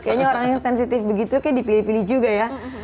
kayaknya orang yang sensitif begitu oke dipilih pilih juga ya